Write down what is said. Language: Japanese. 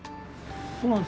そうなんです。